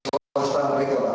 proyek swasta regula